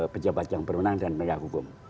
pejabat yang berwenang dan menegak hukum